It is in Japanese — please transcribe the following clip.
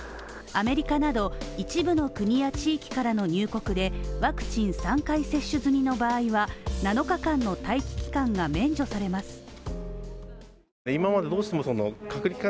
アメリカなど一部の国や地域からの入国でワクチン３回接種済みの場合は７日間の待機期間が免除されます。